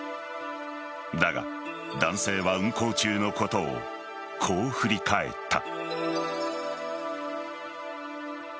だが男性は運航中のことをこう振り返った。